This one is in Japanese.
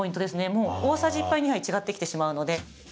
もう大さじ１杯２杯変わってきてしまうので。